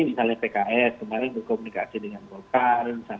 misalnya pks kemarin berkomunikasi dengan golkar